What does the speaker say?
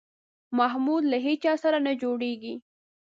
محمود له هېچا سره نه جوړېږي.